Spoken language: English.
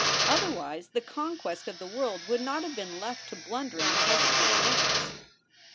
Otherwise the conquest of the world would not have been left to blundering, hesitant males.